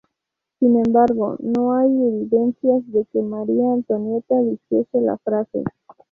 Sin embargo, no hay evidencias de que María Antonieta dijese tal frase.